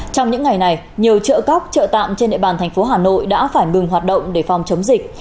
trong những ngày này nhiều chợ cóc chợ tạm trên địa bàn thành phố hà nội đã phải ngừng hoạt động để phòng chống dịch